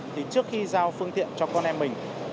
thì trước khi giao phương tiện cho con em mình